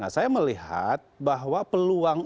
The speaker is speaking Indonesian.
saya melihat bahwa peluang